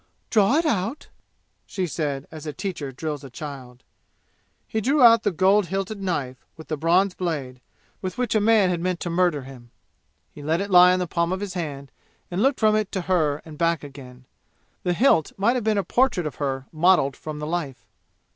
"Draw it out!" she said, as a teacher drills a child. He drew out the gold hilted knife with the bronze blade, with which a man had meant to murder him. He let it lie on the palm of his hand and looked from it to her and back again. The hilt might have been a portrait of her modeled from the life.